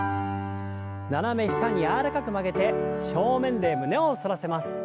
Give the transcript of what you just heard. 斜め下に柔らかく曲げて正面で胸を反らせます。